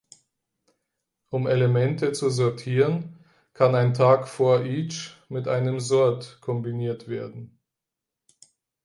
Um Elemente zu sortieren, kann ein Tag for-each mit einem sort kombiniert werden.